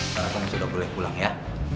sekarang kamu sudah boleh pulang ya